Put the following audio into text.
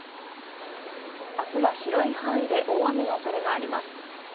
明日は広い範囲で大雨の恐れがあります。